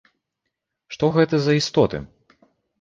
Што гэта за істоты?